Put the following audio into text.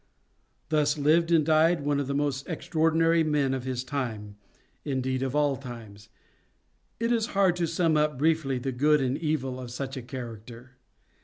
Thus lived and died one of the most extraordinary men of his time, indeed of all times. It is hard to sum up briefly the good and evil of such a character.